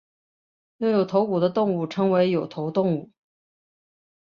拥有头骨的动物称为有头动物。